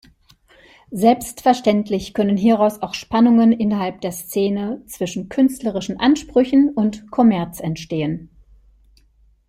Selbstverständlich können hieraus auch Spannungen innerhalb der Szene zwischen künstlerischen Ansprüchen und Kommerz entstehen.